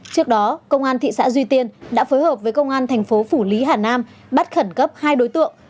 trước đó công an thị xã duy tiên đã phối hợp với công an thành phố phủ lý hà nam bắt khẩn cấp hai đối tượng